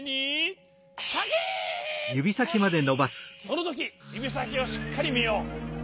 そのときゆびさきをしっかりみよう。